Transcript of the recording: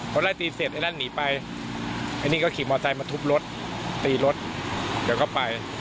พอไล่ตีเสร็จไอ้นั่นหนีไปไอ้นี่ก็ขี่มอไซค์มาทุบรถตีรถเดี๋ยวก็ไป